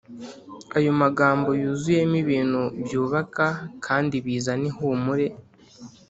” ayo magambo yuzuyemo ibintu byubaka kandi bizana ihumure